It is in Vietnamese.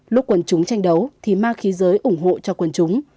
lúc quần chúng tranh đấu thì ma khí giới ủng hộ cho quân chúng